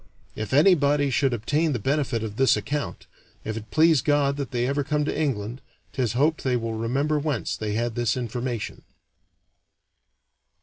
If anybody should obtain the benefit of this account, if it please God that they ever come to England, 'tis hoped they will remember whence they had this information."